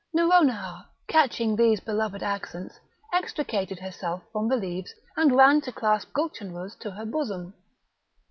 Nouronihar, catching these beloved accents, extricated herself from the leaves, and ran to clasp Gulchenrouz to her bosom.